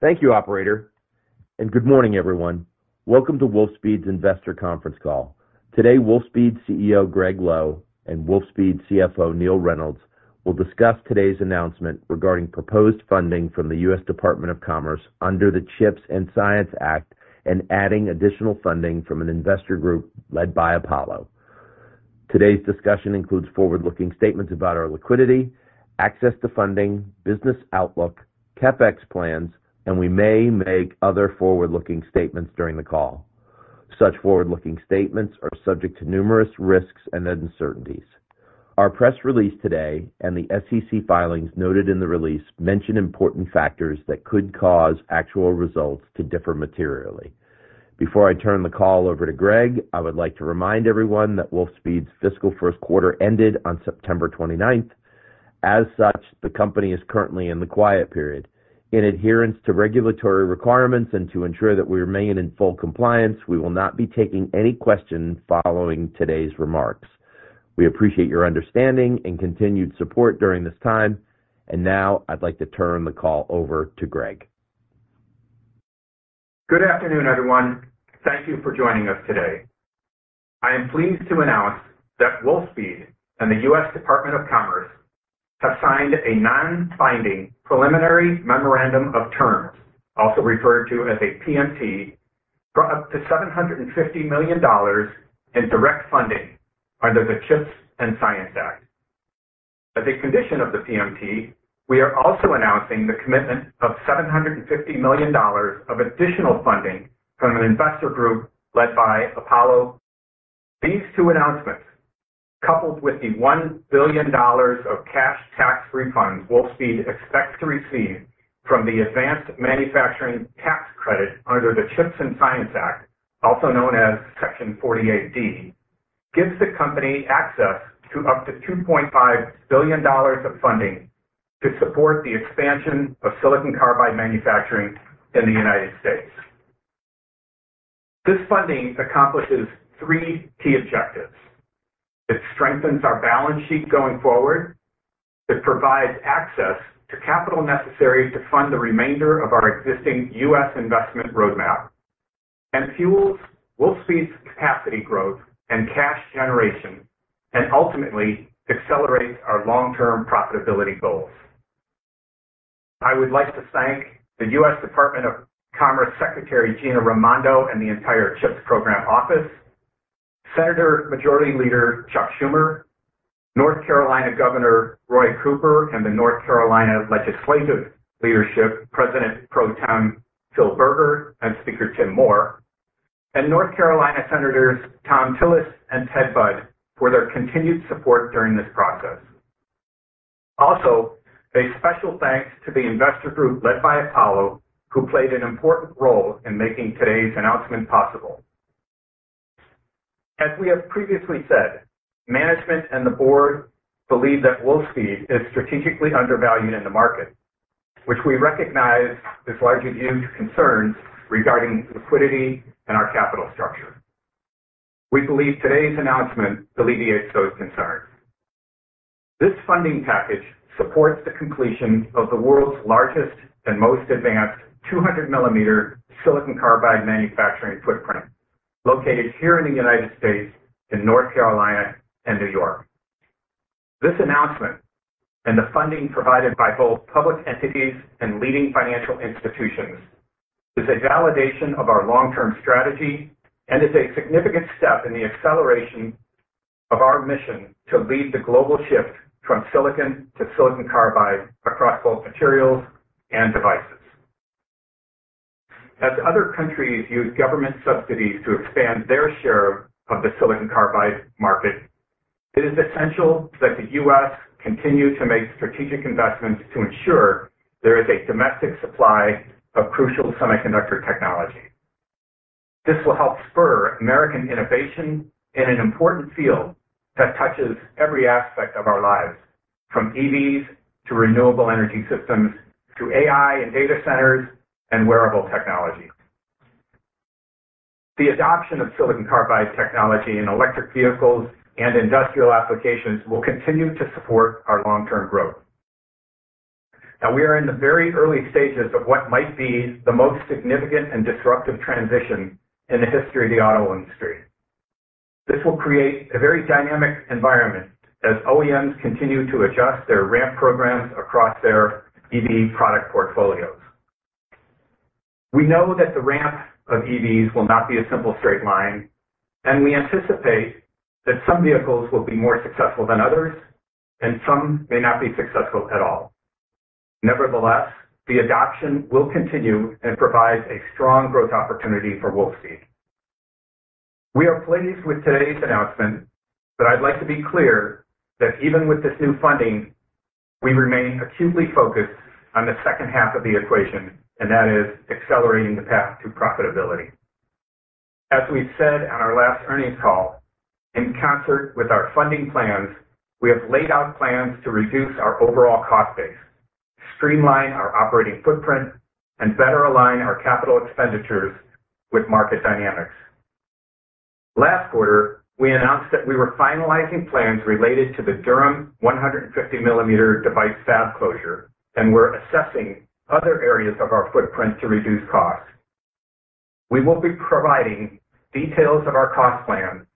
Thank you, operator, and good morning, everyone. Welcome to Wolfspeed's Investor Conference Call. Today, Wolfspeed CEO, Gregg Lowe, and Wolfspeed CFO, Neill Reynolds, will discuss today's announcement regarding proposed funding from the U.S. Department of Commerce under the CHIPS and Science Act, and adding additional funding from an investor group led by Apollo. Today's discussion includes forward-looking statements about our liquidity, access to funding, business outlook, CapEx plans, and we may make other forward-looking statements during the call. Such forward-looking statements are subject to numerous risks and uncertainties. Our press release today and the SEC filings noted in the release mention important factors that could cause actual results to differ materially. Before I turn the call over to Gregg, I would like to remind everyone that Wolfspeed's fiscal first quarter ended on September twenty-ninth. As such, the company is currently in the quiet period. In adherence to regulatory requirements and to ensure that we remain in full compliance, we will not be taking any questions following today's remarks. We appreciate your understanding and continued support during this time, and now I'd like to turn the call over to Gregg. Good afternoon, everyone. Thank you for joining us today. I am pleased to announce that Wolfspeed and the U.S. Department of Commerce have signed a non-binding Preliminary Memorandum of Terms, also referred to as a PMT, for up to $750 million in direct funding under the CHIPS and Science Act. As a condition of the PMT, we are also announcing the commitment of $750 million of additional funding from an investor group led by Apollo. These two announcements, coupled with the $1 billion of cash tax refunds Wolfspeed expects to receive from the Advanced Manufacturing Tax Credit under the CHIPS and Science Act, also known as Section 48D, gives the company access to up to $2.5 billion of funding to support the expansion of silicon carbide manufacturing in the United States. This funding accomplishes three key objectives. It strengthens our balance sheet going forward, it provides access to capital necessary to fund the remainder of our existing U.S. investment roadmap, and fuels Wolfspeed's capacity growth and cash generation, and ultimately accelerates our long-term profitability goals. I would like to thank the U.S. Department of Commerce Secretary, Gina Raimondo, and the entire CHIPS Program Office, Senate Majority Leader Chuck Schumer, North Carolina Governor Roy Cooper, and the North Carolina Legislative Leadership, President Pro Tem Phil Berger, and Speaker Tim Moore, and North Carolina Senators Thom Tillis and Ted Budd, for their continued support during this process. Also, a special thanks to the investor group led by Apollo, who played an important role in making today's announcement possible. As we have previously said, management and the board believe that Wolfspeed is strategically undervalued in the market, which we recognize is largely due to concerns regarding liquidity and our capital structure. We believe today's announcement alleviates those concerns. This funding package supports the completion of the world's largest and most advanced 200 millimeter silicon carbide manufacturing footprint, located here in the United States, in North Carolina and New York. This announcement, and the funding provided by both public entities and leading financial institutions, is a validation of our long-term strategy and is a significant step in the acceleration of our mission to lead the global shift from silicon to silicon carbide across both materials and devices. As other countries use government subsidies to expand their share of the silicon carbide market, it is essential that the U.S. continue to make strategic investments to ensure there is a domestic supply of crucial semiconductor technology. This will help spur American innovation in an important field that touches every aspect of our lives, from EVs, to renewable energy systems, to AI and data centers, and wearable technology. The adoption of silicon carbide technology in electric vehicles and industrial applications will continue to support our long-term growth. Now, we are in the very early stages of what might be the most significant and disruptive transition in the history of the auto industry. This will create a very dynamic environment as OEMs continue to adjust their ramp programs across their EV product portfolios. We know that the ramp of EVs will not be a simple straight line, and we anticipate that some vehicles will be more successful than others, and some may not be successful at all. Nevertheless, the adoption will continue and provide a strong growth opportunity for Wolfspeed. We are pleased with today's announcement, but I'd like to be clear that even with this new funding, we remain acutely focused on the second half of the equation, and that is accelerating the path to profitability. As we said on our last earnings call, in concert with our funding plans, we have laid out plans to reduce our overall cost base, streamline our operating footprint, and better align our capital expenditures with market dynamics. Last quarter, we announced that we were finalizing plans related to the Durham 150 millimeter device fab closure, and we're assessing other areas of our footprint to reduce costs. We will be providing details of our cost plan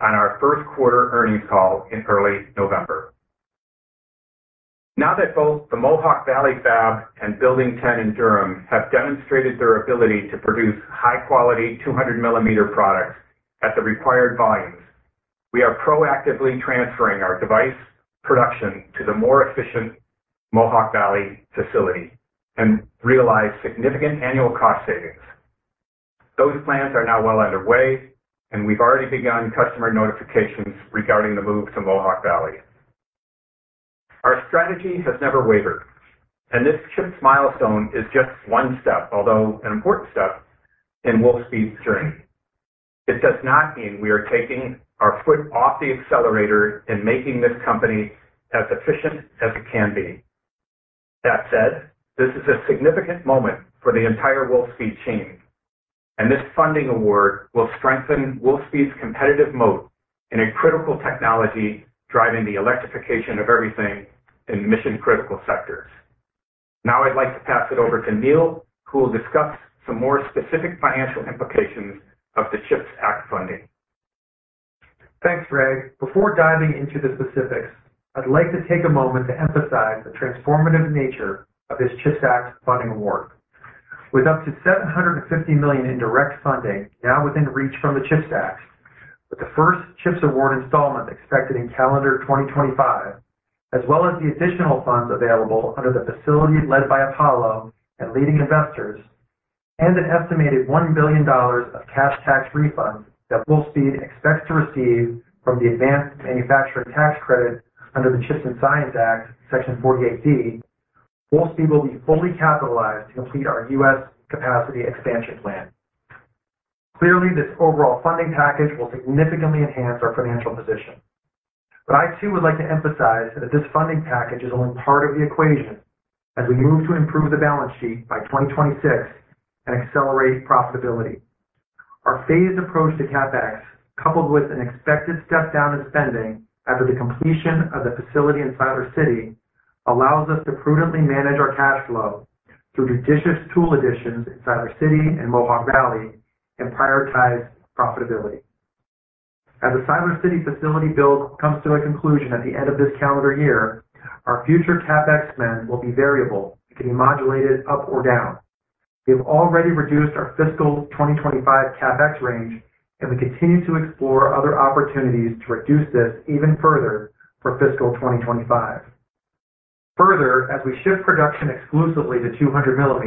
on our first quarter earnings call in early November. Now that both the Mohawk Valley fab and Building 10 in Durham have demonstrated their ability to produce high-quality 200 millimeter products at the required volumes, we are proactively transferring our device production to the more efficient Mohawk Valley facility and realize significant annual cost savings. Those plans are now well underway, and we've already begun customer notifications regarding the move to Mohawk Valley. Our strategy has never wavered, and this CHIPS milestone is just one step, although an important step, in Wolfspeed's journey. It does not mean we are taking our foot off the accelerator in making this company as efficient as it can be. That said, this is a significant moment for the entire Wolfspeed team, and this funding award will strengthen Wolfspeed's competitive moat in a critical technology, driving the electrification of everything in mission-critical sectors. Now I'd like to pass it over to Neill, who will discuss some more specific financial implications of the CHIPS Act funding. Thanks, Gregg. Before diving into the specifics, I'd like to take a moment to emphasize the transformative nature of this CHIPS Act funding award. With up to $750 million in direct funding now within reach from the CHIPS Act, with the first CHIPS award installment expected in calendar 2025, as well as the additional funds available under the facility led by Apollo and leading investors, and an estimated $1 billion of cash tax refunds that Wolfspeed expects to receive from the Advanced Manufacturing Tax Credit under the CHIPS and Science Act, Section 48D, Wolfspeed will be fully capitalized to complete our U.S. capacity expansion plan. Clearly, this overall funding package will significantly enhance our financial position. But I, too, would like to emphasize that this funding package is only part of the equation as we move to improve the balance sheet by 2026 and accelerate profitability. Our phased approach to CapEx, coupled with an expected step down in spending after the completion of the facility in Siler City, allows us to prudently manage our cash flow through judicious tool additions in Siler City and Mohawk Valley and prioritize profitability. As the Siler City facility build comes to a conclusion at the end of this calendar year, our future CapEx spend will be variable. It can be modulated up or down. We have already reduced our fiscal 2025 CapEx range, and we continue to explore other opportunities to reduce this even further for fiscal 2025. Further, as we shift production exclusively to 200mm,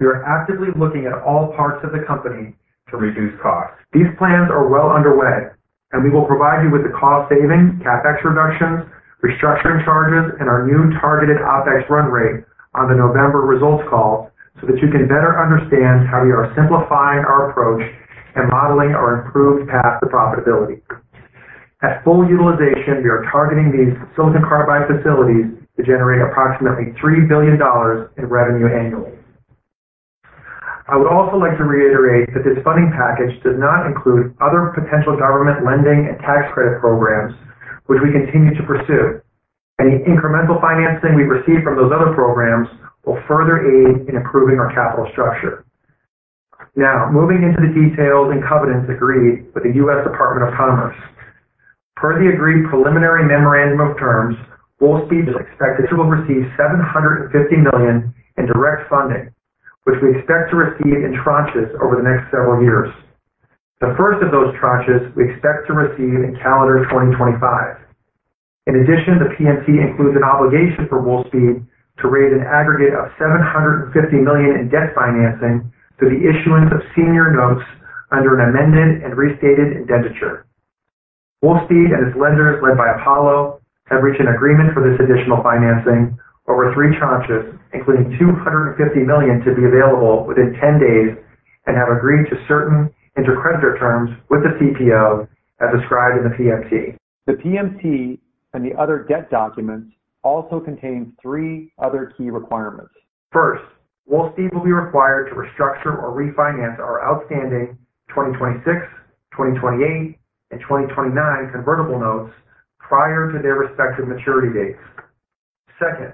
we are actively looking at all parts of the company to reduce costs. These plans are well underway, and we will provide you with the cost savings, CapEx reductions, restructuring charges, and our new targeted OpEx run rate on the November results call, so that you can better understand how we are simplifying our approach and modeling our improved path to profitability. At full utilization, we are targeting these silicon carbide facilities to generate approximately $3 billion in revenue annually. I would also like to reiterate that this funding package does not include other potential government lending and tax credit programs, which we continue to pursue. Any incremental financing we receive from those other programs will further aid in improving our capital structure. Now, moving into the details and covenants agreed with the U.S. Department of Commerce. Per the agreed preliminary memorandum of terms, Wolfspeed is expected to receive $750 million in direct funding, which we expect to receive in tranches over the next several years. The first of those tranches we expect to receive in calendar 2025. In addition, the PMT includes an obligation for Wolfspeed to raise an aggregate of $750 million in debt financing through the issuance of senior notes under an amended and restated indenture. Wolfspeed and its lenders, led by Apollo, have reached an agreement for this additional financing over three tranches, including $250 million to be available within 10 days, and have agreed to certain intercreditor terms with the CPO, as described in the PMT. The PMT and the other debt documents also contain three other key requirements. First, Wolfspeed will be required to restructure or refinance our outstanding 2026, 2028, and 2029 convertible notes prior to their respective maturity dates. Second,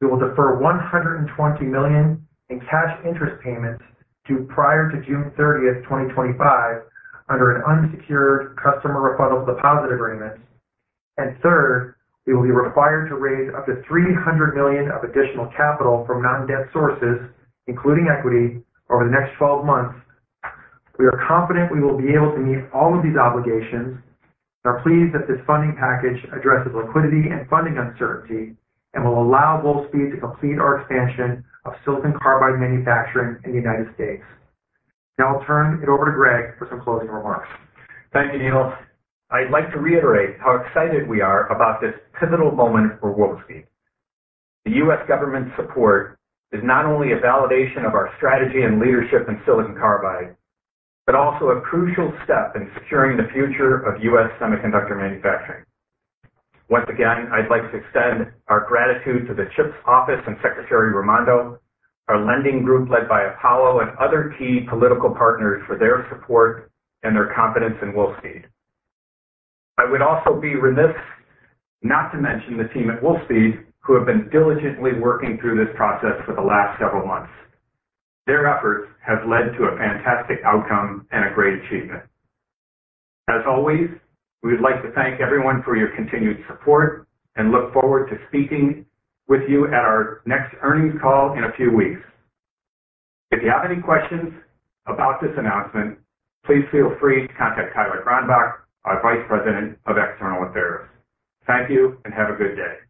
we will defer $120 million in cash interest payments due prior to June 30, 2025, under an unsecured customer refundable deposit agreement. Third, we will be required to raise up to $300 million of additional capital from non-debt sources, including equity, over the next twelve months. We are confident we will be able to meet all of these obligations and are pleased that this funding package addresses liquidity and funding uncertainty and will allow Wolfspeed to complete our expansion of silicon carbide manufacturing in the United States. Now I'll turn it over to Gregg for some closing remarks. Thank you, Neill. I'd like to reiterate how excited we are about this pivotal moment for Wolfspeed. The U.S. government's support is not only a validation of our strategy and leadership in silicon carbide, but also a crucial step in securing the future of U.S. semiconductor manufacturing. Once again, I'd like to extend our gratitude to the CHIPS Office and Secretary Raimondo, our lending group led by Apollo and other key political partners for their support and their confidence in Wolfspeed. I would also be remiss not to mention the team at Wolfspeed, who have been diligently working through this process for the last several months. Their efforts have led to a fantastic outcome and a great achievement. As always, we would like to thank everyone for your continued support and look forward to speaking with you at our next earnings call in a few weeks. If you have any questions about this announcement, please feel free to contact Tyler Gronbach, our Vice President of External Affairs. Thank you, and have a good day.